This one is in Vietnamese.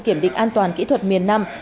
kiểm định an toàn kỹ thuật miền nam